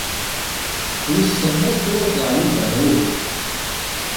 Wissen ma yettwaẓẓeɛ Yuba neɣ uhu.